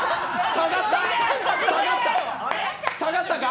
下がったか？